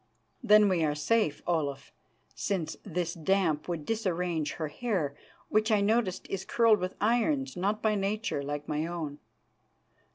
"Then we are safe, Olaf, since this damp would disarrange her hair, which, I noted, is curled with irons, not by Nature, like my own.